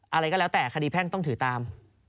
อะไรก็แล้วแต่คดีแพ่งต้องถือตาม